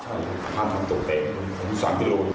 ใช่พระท่านทำตกเป็นคุณผู้ชมที่รู้